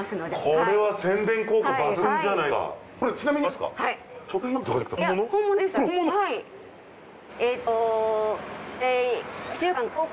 これは宣伝効果抜群じゃないですか。